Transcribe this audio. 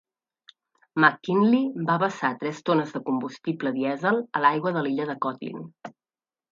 McKinley va vessar tres tones de combustible dièsel a l'aigua de l'illa de Kotlin.